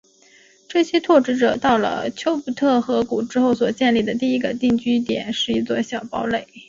这些拓殖者到达了丘布特河谷之后所建立的第一个定居点是一座小堡垒。